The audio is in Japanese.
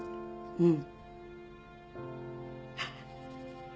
うん。